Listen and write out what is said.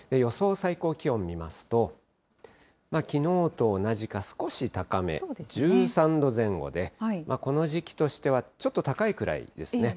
最高気温を見ますと、きのうと同じか少し高め、１３度前後で、この時期としてはちょっと高いくらいですね。